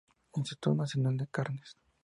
Instituto Nacional de Carnes